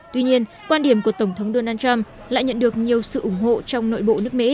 tuy nhiên quan điểm của tổng thống donald trump lại nhận được nhiều sự ủng hộ trong nội bộ nước mỹ